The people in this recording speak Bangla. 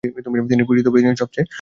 তিনি পরিচিতি পেয়েছেন সবচেয়ে বেশি।